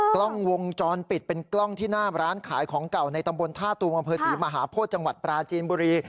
กล้องวงจรปิดเป็นกล้องที่หน้าร้านขายของเก่าในตำบลท่าตูมอำเภอศรีมหาโพธิจังหวัดปราจีนบุรี